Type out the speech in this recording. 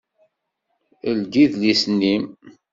Ldi idlisen-im!